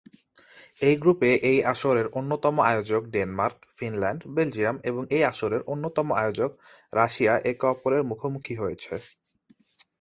এই গ্রুপে এই আসরের অন্যতম আয়োজক ডেনমার্ক, ফিনল্যান্ড, বেলজিয়াম এবং এই আসরের অন্যতম আয়োজক রাশিয়া একে অপরের মুখোমুখি হয়েছে।